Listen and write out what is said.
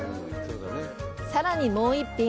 さらにもう一品。